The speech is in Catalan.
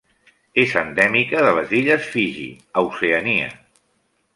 És endèmica de les illes Fiji, a Oceania.